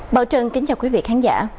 bảo trần kính chào quý vị khán giả